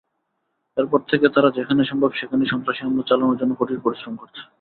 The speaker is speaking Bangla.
এরপর থেকে তারা যেখানে সম্ভব সেখানেই সন্ত্রাসী হামলা চালানোর জন্য কঠোর পরিশ্রম করছে।